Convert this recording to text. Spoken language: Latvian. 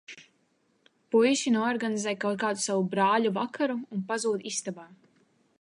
Puiši noorganizē kaut kādu savu "brāļu vakaru" un pazūd istabā.